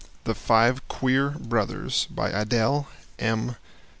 THE FIVE QUEER BROTHERS By Adele M.